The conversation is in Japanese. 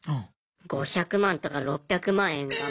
５００万とか６００万円がえ！